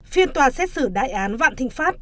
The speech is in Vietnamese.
phiên tòa xét xử đại án vạn thinh pháp